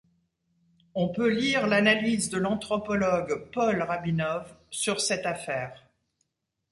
On peut lire l'analyse de l'anthropologue Paul Rabinow sur cette affaire.